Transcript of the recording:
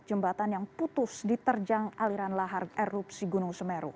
jembatan yang putus diterjang aliran lahar erupsi gunung semeru